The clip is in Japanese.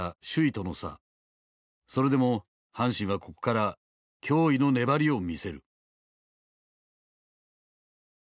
それでも阪神はここから驚異の粘りを見せる。